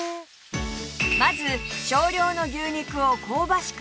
まず少量の牛肉を香ばしく焦がし